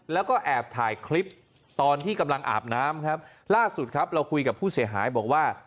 แล้วก็แอบถ่ายคลิปตอนที่กำลังอาบน้ำครับล่าสุดครับเราคุยกับผู้เสียหายบอกว่า